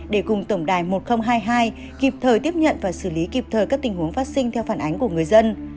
để cùng tổng đài một nghìn hai mươi hai kịp thời tiếp nhận và xử lý kịp thời các tình huống phát sinh theo phản ánh của người dân